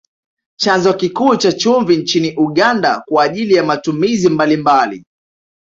Chanzo kikuu cha chumvi nchini Uganda kwa ajili ya matumizi mbalimbali